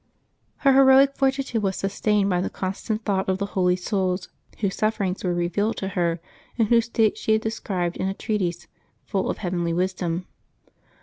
Her heroic fortitude was sustained by the constant thought of the Holy Souls, whose sufferings were revealed to her, and whose state she has described in a treatise full of heavenly wisdom.